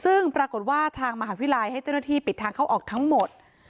ซึ่งปรากฏว่าทางมหาวิทยาลัยให้เจ้าหน้าที่ปิดทางเข้าออกทั้งหมด